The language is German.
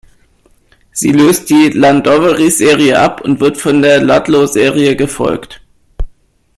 Sie löst die Llandovery-Serie ab und wird von der Ludlow-Serie gefolgt.